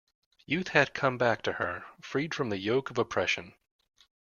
Youth had come back to her, freed from the yoke of oppression.